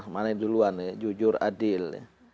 mana yang duluan ya jujur adil